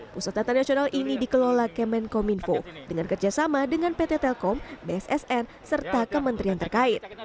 pusat data nasional ini dikelola kemenkominfo dengan kerjasama dengan pt telkom bssn serta kementerian terkait